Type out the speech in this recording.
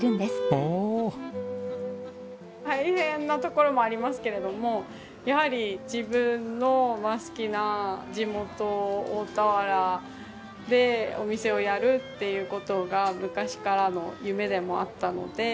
大変なところもありますけれどもやはり自分の好きな地元大田原でお店をやるっていう事が昔からの夢でもあったので。